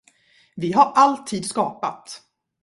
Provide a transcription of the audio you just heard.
Vi har alltid skapat.